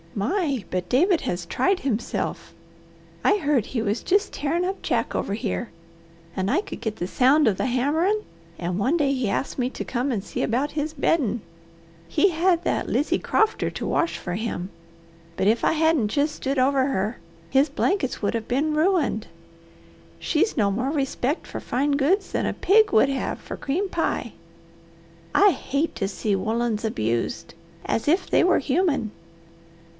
My, but David has tried himself! I heard he was just tearin' up Jack over here, and I could get the sound of the hammerin', and one day he asked me to come and see about his beddin'. He had that Lizy Crofter to wash for him, but if I hadn't jest stood over her his blankets would have been ruined. She's no more respect for fine goods than a pig would have for cream pie. I hate to see woollens abused, as if they were human.